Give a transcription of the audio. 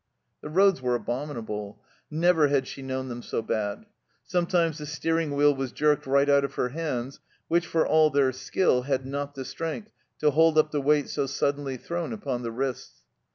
The roads were abominable ; never had she known them so bad. Sometimes the steering wheel was jerked right out of her hands, which, for all their skill, had not the strength to hold up the weight so suddenly thrown upon the wrists.